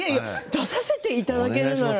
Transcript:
出させていただけるなら。